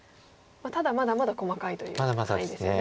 ただまだまだ細かいという範囲ですね。